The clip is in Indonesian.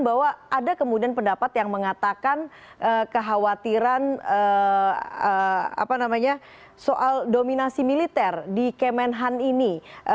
bahwa ada kemudian pendapat yang mengatakan kekhawatiran soal dominasi militer di kemenhan ini